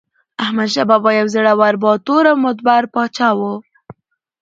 احمدشاه بابا یو زړور، باتور او مدبر پاچا و.